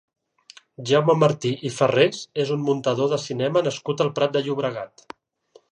Jaume Martí i Farrés és un muntador de cinema nascut al Prat de Llobregat.